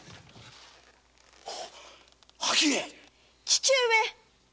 父上。